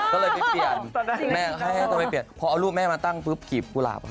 ก็เลยไปเปลี่ยนพอเอารูปแม่มาตั้งปุ๊บขีบกุหลาบครับ